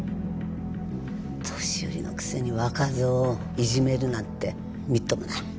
年寄りのくせに若造をいじめるなんてみっともない。